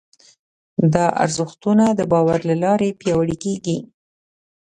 دا ارزښتونه د باور له لارې پياوړي کېږي.